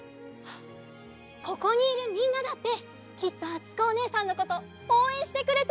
ここにいるみんなだってきっとあつこおねえさんのことおうえんしてくれているわよ。